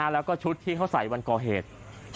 แล้วก็ชุดที่เขาใส่วันก่อเหตุ